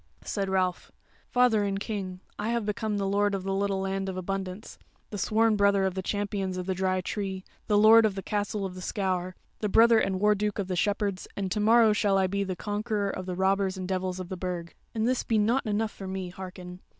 Said Ralph: "Father and King, I have become the Lord of the Little Land of Abundance, the sworn brother of the Champions of the Dry Tree, the Lord of the Castle of the Scaur, the brother and Warduke of the Shepherds; and to morrow shall I be the Conqueror of the robbers and the devils of the Burg. And this be not enough for me, hearken!